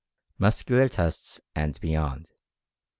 MUSCULAR TESTS, AND BEYOND.